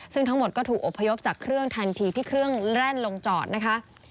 ซึ่งทั้งหมดก็ถูกอบพยพจากเครื่องทันทีที่เครื่องแร่นลงจอดนะคะ